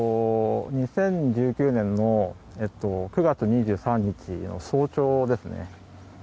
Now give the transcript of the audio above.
２０１９年の９月２３日の早朝です。